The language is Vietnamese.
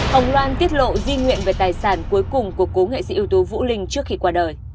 ông loan tiết lộ di nguyện về tài sản cuối cùng của cố nghệ sĩ ưu tú vũ linh trước khi qua đời